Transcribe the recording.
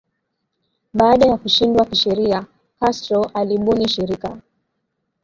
Baada ya kushindwa kisheria Castro alibuni shirika